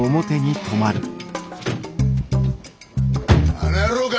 あの野郎か？